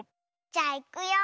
じゃあいくよ。